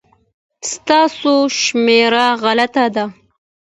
ستاسو شمېره غلطه ده